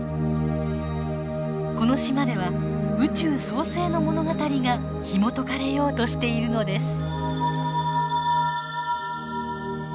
この島では宇宙創生の物語がひもとかれようとしているのです。